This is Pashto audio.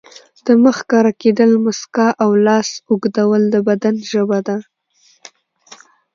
د مخ ښکاره کېدل، مسکا او لاس اوږدول د بدن ژبه ده.